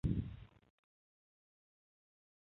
在军事方面比较彻底地肃清殖民主义的残余。